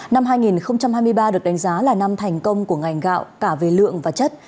năm hai nghìn hai mươi ba được đánh giá là năm thành công của ngành gạo cả về lượng và chất